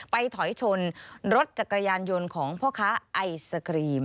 ถอยชนรถจักรยานยนต์ของพ่อค้าไอศกรีม